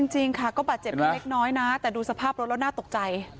จริงค่ะก็บาดเจ็บเล็กน้อยนะแต่ดูสภาพรถแล้วน่าตกใจ